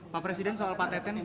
pak presiden soal pak teten